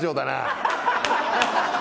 ハハハハ！